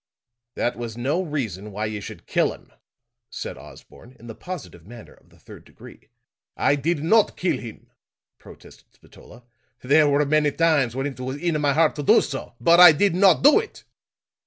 "That was no reason why you should kill him," said Osborne in the positive manner of the third degree. "I did not kill him," protested Spatola. "There were many times when it was in my heart to do so. But I did not do it!"